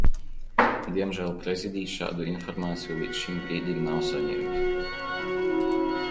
Diemžēl Prezidijs šādu informāciju līdz šim brīdim nav saņēmis.